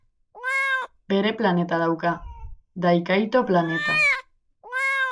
Bere planeta dauka, Dai Kaito planeta.